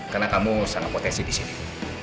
karena kamu sangat potensi di sini